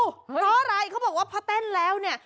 เพราะอะไรเขาบอกว่าพอเต้นแล้วเนี่ย